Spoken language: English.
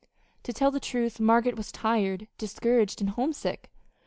To tell the truth, Margaret was tired, discouraged, and homesick.